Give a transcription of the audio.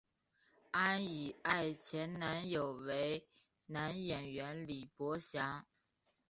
安苡爱前男友为男演员李博翔。